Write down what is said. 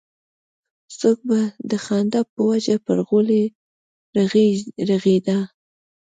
څوک به د خندا په وجه پر غولي رغړېده.